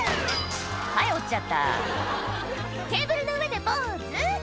はい折っちゃった「テーブルの上でポーズ」